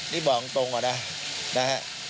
นี่บอกตรงก่อนนะนะฮะ